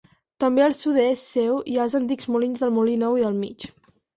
També al sud-est seu hi ha els antics molins del Molí Nou i del Mig.